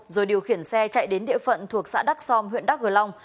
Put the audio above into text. rồi điều khiển xe chạy đến địa phận thuộc xã đắc som huyện đắc gờ long